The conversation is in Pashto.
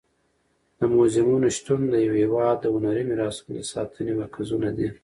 د موزیمونو شتون د یو هېواد د هنري میراثونو د ساتنې مرکزونه دي.